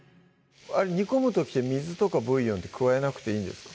煮込む時って水とかブイヨンって加えなくていいんですか？